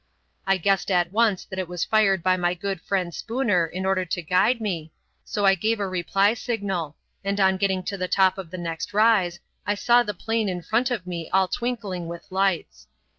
I guessed at once that it was fired by my good friend Spooner in order to guide me, so I gave a reply signal; and on getting to the top of the next rise, I saw the plain in front of me all twinkling with lights.